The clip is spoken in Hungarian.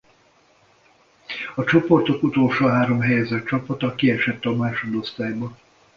A csoportok utolsó három helyezett csapata kiesett a másodosztályba.